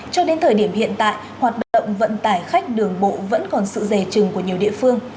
cho đến thời điểm hiện tại hoạt động vận tải khách đường bộ vẫn còn sự rè trừng của nhiều địa phương